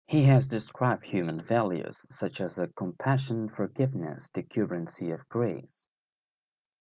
He has described human values such as compassion and forgiveness the "currency of grace".